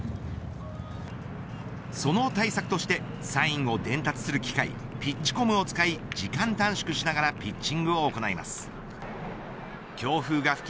その対策としてサインを伝達する機械ピッチコムを使い時間短縮しながらピッチングを行います。